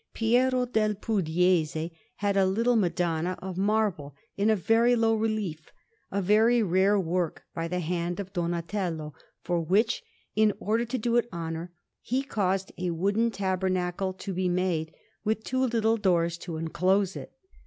Piero del Pugliese had a little Madonna of marble, in very low relief, a very rare work by the hand of Donatello, for which, in order to do it honour, he caused a wooden tabernacle to be made, with two little doors to enclose it.